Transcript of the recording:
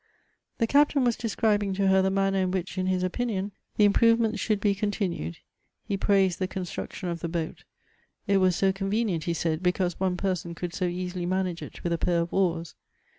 The Captain was describing to her the manner in which, in his opinion, the improvements should be continued. He pj aised the construction of the boat ; it was so con venient, he said, because one person could so easily manage it with a pair of oars.